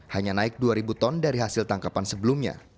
hanya naik dua ribu ton dari hasil tangkapan sebelumnya